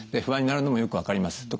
不安になるのもよく分かります。